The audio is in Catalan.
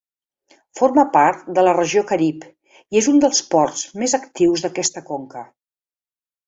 Forma part de la Regió Carib i és un dels ports més actius d'aquesta conca.